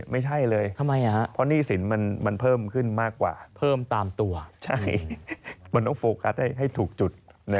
ไม่ใช่เลยเพราะหนี้สินมันเพิ่มขึ้นมากกว่าเพิ่มตามตัวมันต้องโฟกัสให้ถูกจุด